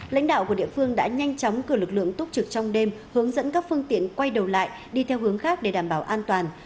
lãnh đạo của địa phương đã nhanh chóng cử lực lượng túc trực trong đêm hướng dẫn các phương tiện quay đầu lại đi theo hướng khác để đảm bảo an toàn